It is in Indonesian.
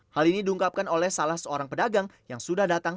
hal ini diungkapkan oleh salah seorang pedagang yang sudah datang